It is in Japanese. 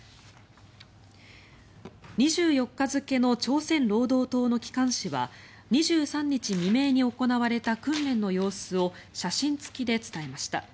２４日付の朝鮮労働党の機関紙は２３日未明に行われた訓練の様子を写真付きで伝えました。